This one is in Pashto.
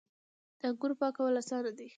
د انګورو پاکول اسانه دي.